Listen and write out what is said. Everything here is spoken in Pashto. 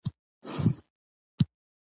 انسان باید له خپلو تېروتنو عبرت واخلي